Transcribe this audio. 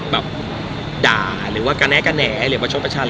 แบบด่าหรือว่ากระแนะหรือว่าชกกระชัน